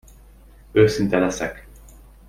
Őszinte leszek.